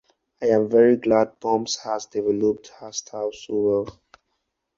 I am very glad Pumps has developed her style so well